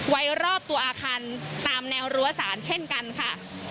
ไว้รอบตัวอาคารตามแนวรั้วสารเช่นกันค่ะ